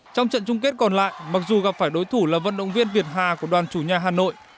trong trận chung kết còn lại mặc dù gặp phải đối thủ là vận động viên việt hà của đoàn chủ nhà hà nội